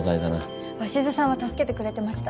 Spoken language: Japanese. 鷲津さんは助けてくれてました。